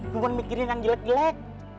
cuma mikirin yang jelek jelek